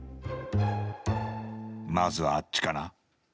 まずは、あっちかな。